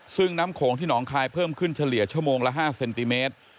ซึ่งน้ำโขงที่หนองคายเพิ่มขึ้นเฉลี่ยชั่วโมงละ๕เซนติเมตร